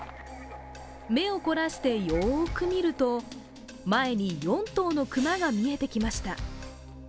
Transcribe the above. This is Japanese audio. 目を凝らしてよく見ると前に４頭の熊が見えてきました。